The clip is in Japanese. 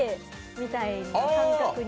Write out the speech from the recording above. みたいな感覚に。